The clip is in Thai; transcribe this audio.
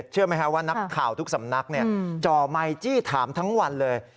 เชื่อไหมครับว่านักข่าวทุกสำนักจ่อไมค์จี้ถามทั้งวันเลย